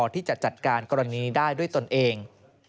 ที่จะจัดการกรณีได้ด้วยตนเอง